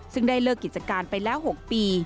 ซึ่งได้เลิกกิจการไปแล้ว๖ปี